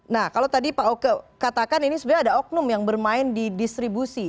nah kalau tadi pak oke katakan ini sebenarnya ada oknum yang bermain di distribusi